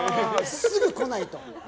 すぐ来ないと。